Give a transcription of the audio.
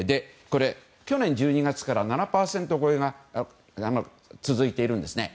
去年１２月から７％超えが続いているんですね。